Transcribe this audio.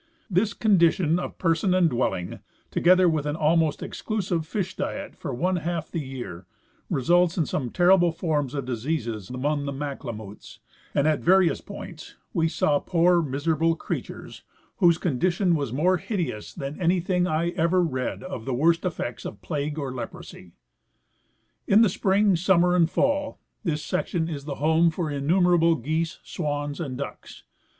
This condition of person and dwelling, together with an almost exclusive fish diet for one half the year, results in some terrible forms of diseases among the Maklemuts, and at various points we saw poor miserable creatures whose condition 184 J. E. McGrath — The Alaskan Boundary Survey. was more hideous than anything I ever read of the worst effects of plague or leprosy. ^ In spring, summer and fall this section is the home for in numerable geese, swans and ducks.